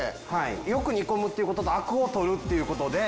よく煮込むっていう事とアクを取るっていう事で。